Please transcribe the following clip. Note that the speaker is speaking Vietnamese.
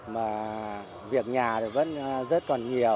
mà việc nhà thì vẫn rất còn nhiều